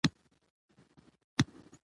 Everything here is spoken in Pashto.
مطلقه ماضي د تېر وخت نخښه ده.